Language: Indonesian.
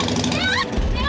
pd banget sih